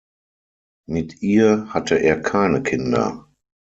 Mit ihr hatte er keine Kinder.